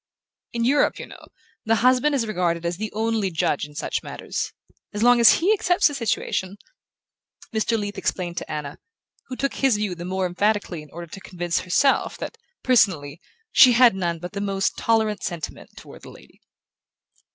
"In Europe, you know, the husband is regarded as the only judge in such matters. As long as he accepts the situation " Mr. Leath explained to Anna, who took his view the more emphatically in order to convince herself that, personally, she had none but the most tolerant sentiments toward the lady.